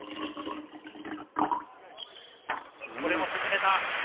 これも沈めた。